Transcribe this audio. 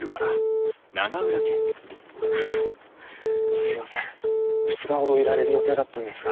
すいません２日ほどいられる予定だったんですが。